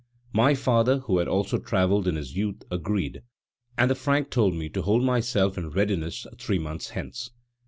My father, who had also travelled in his youth, agreed, and the Frank told me to hold myself in readiness three months hence.